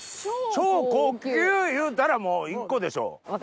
超高級いうたらもう１個でしょ。